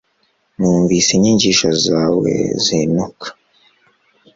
numvise inyigisho zawe zintuka